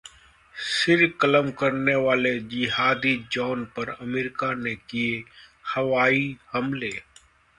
सिर कलम करने वाले जिहादी जॉन पर अमेरिका ने किए हवाई हमले